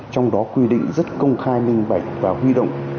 trong đó quy định rất công khai minh bạch và huy động